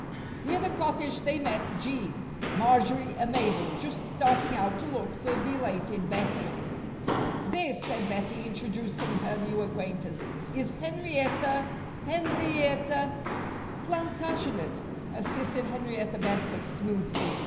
Near the Cottage they met Jean, Marjory and Mabel just starting out to look for belated Bettie. "This," said Bettie introducing her new acquaintance, "is Henrietta Henrietta " "Plantagenet," assisted Henrietta Bedford, smoothly.